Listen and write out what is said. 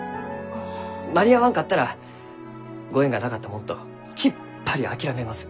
間に合わんかったらご縁がなかったもんときっぱり諦めます。